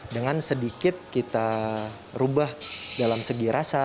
dengan sedikit kita rubah dalam segi rasa